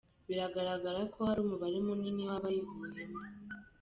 Biragaragara ko hari umubare munini w’abayiguyemo.